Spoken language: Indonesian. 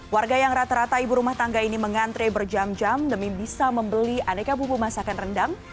warga yang rata rata ibu rumah tangga ini mengantre berjam jam demi bisa membeli aneka bumbu masakan rendang